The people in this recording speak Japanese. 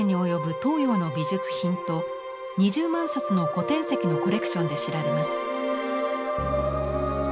東洋の美術品と２０万冊の古典籍のコレクションで知られます。